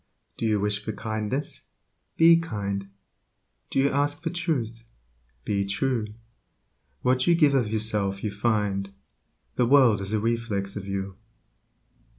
Do you wish for kindness? Be kind. Do you ask for truth? Be true. What you give of yourself you find; Your world is a reflex of you.